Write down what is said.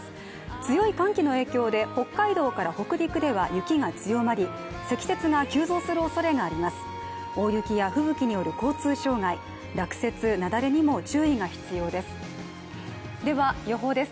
強い寒気の影響で北海道から北陸では雪が強まり積雪が急増するおそれがあります。